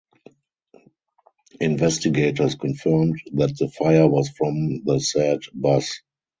Investigators confirmed that the fire was from the said bus.